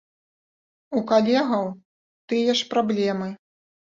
У калегаў тыя ж праблемы.